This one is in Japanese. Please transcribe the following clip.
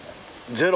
ゼロ？